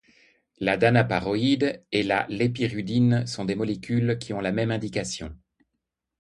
Le danaparoïde et la lépirudine sont des molécules qui ont la même indication.